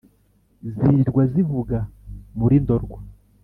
zirirwa zivuga muri ndorwa